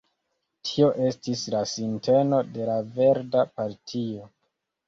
Tio estis la sinteno de la Verda Partio.